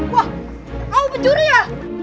wah kau penjuri ya